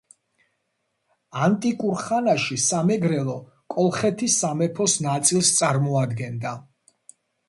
ანტიკურ ხანაში სამეგრელო კოლხეთის სამეფოს ნაწილს წარმოადგენდა